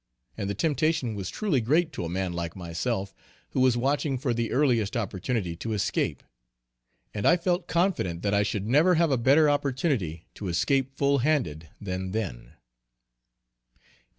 And the temptation was truly great to a man like myself, who was watching for the earliest opportunity to escape; and I felt confident that I should never have a better opportunity to escape full handed than then.